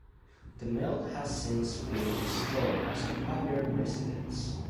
The mill has since been restored as a private residence.